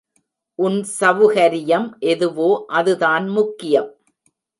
உன் சவுகரியம் எதுவோ அது தான் முக்கியம்.